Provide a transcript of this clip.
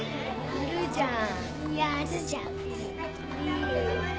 やるじゃん。